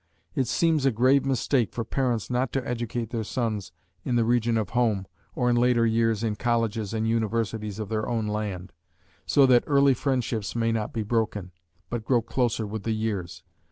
It seems a grave mistake for parents not to educate their sons in the region of home, or in later years in colleges and universities of their own land, so that early friendships may not be broken, but grow closer with the years.